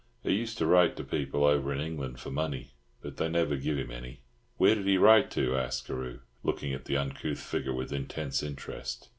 He used to write to people over in England for money, but they never giv him any." "Where did he write to?" asked Carew, looking at the uncouth figure with intense interest.